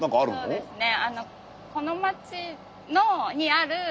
そうですね。